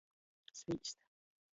Svīst.